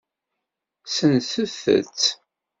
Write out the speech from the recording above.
Senset-tt.